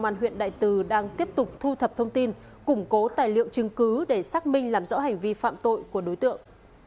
công an huyện đại từ đang tiếp tục thu thập thông tin củng cố tài liệu chứng cứ để xác minh làm rõ hành vi phạm tội của đối tượng